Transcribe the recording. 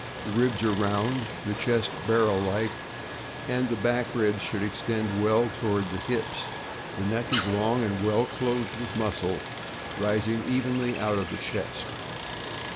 The ribs are round, the chest barrel like, and the back ribs should extend well toward the hips. The neck is long and well clothed with muscle, rising evenly out of the chest.